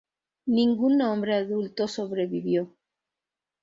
Ningún hombre adulto sobrevivió.